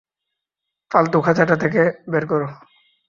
ফালতু খাঁচাটা থেকে বের কর!